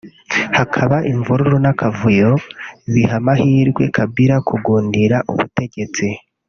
hakaba imvururu n’ akavuyo biha amahirwe Kabila kugundira ubutegetsi